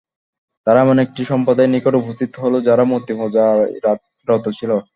তারা এমন একটি সম্প্রদায়ের নিকট উপস্থিত হলো, যারা মূর্তি পূজায় রত ছিল।